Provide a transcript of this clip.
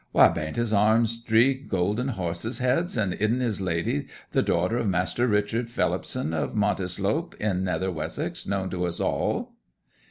Why, bain't his arms dree goolden horses' heads, and idden his lady the daughter of Master Richard Phelipson, of Montislope, in Nether Wessex, known to us all?'